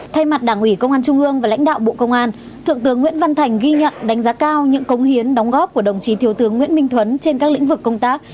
thay mặt đảng ủy công an trung ương và lãnh đạo bộ công an thượng tướng nguyễn văn thành ghi nhận đánh giá cao những cống hiến đóng góp của đồng chí thiếu tướng nguyễn minh thuấn trên các lĩnh vực công tác